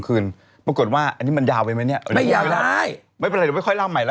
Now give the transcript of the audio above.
ก็เค้าบอกว่าเนี่ยนะระวังนะ